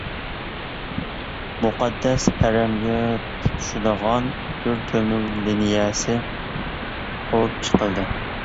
مۇقەددەس ھەرەمگە تۇتىشىدىغان بىر تۆمۈر لىنىيەسى قۇرۇپ چىقىلدى.